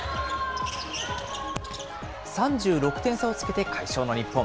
３６点差をつけて快勝の日本。